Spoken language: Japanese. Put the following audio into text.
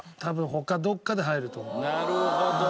なるほど。